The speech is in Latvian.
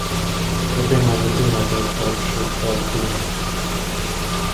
Lai piemānītu ienaidnieku, paliku šeit vēl diennakti.